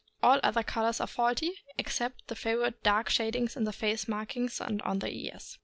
All other colors are faulty, except the favorite dark shadings in the face markings and on the ears.